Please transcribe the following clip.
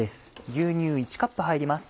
牛乳１カップ入ります。